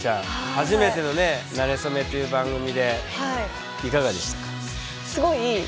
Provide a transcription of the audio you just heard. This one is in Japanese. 初めてのね「なれそめ」という番組でいかがでしたか？